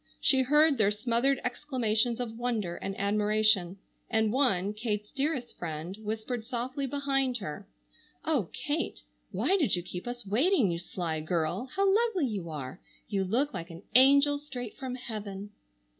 She heard their smothered exclamations of wonder and admiration, and one, Kate's dearest friend, whispered softly behind her: "Oh, Kate, why did you keep us waiting, you sly girl! How lovely you are! You look like an angel straight from heaven."